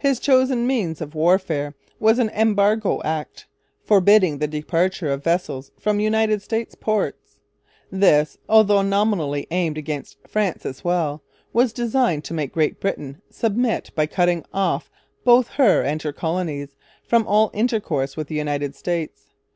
His chosen means of warfare was an Embargo Act, forbidding the departure of vessels from United States ports. This, although nominally aimed against France as well, was designed to make Great Britain submit by cutting off both her and her colonies from all intercourse with the United States.